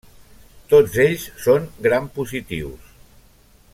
Tots ells són grampositius.